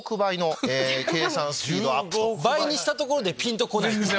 倍にしたところでピンとこない。